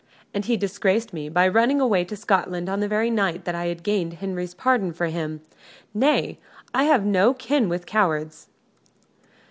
And he disgraced me by running away to Scotland on the very night that I had gained Henry's pardon for him. Nay; I have no kin with cowards!"